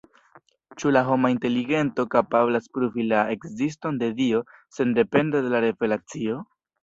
Ĉu la homa inteligento kapablas pruvi la ekziston de Dio sendepende de la Revelacio?